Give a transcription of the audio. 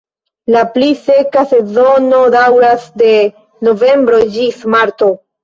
La pli seka sezono daŭras de novembro ĝis marto.